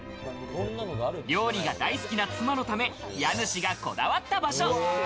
料理が大好きな妻のため、家主がこだわった場所。